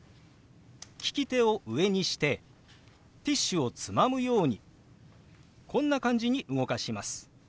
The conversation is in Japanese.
利き手を上にしてティッシュをつまむようにこんな感じに動かします。